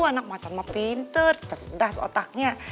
anak macan mah pinter cerdas otaknya